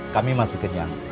kami masih kenyang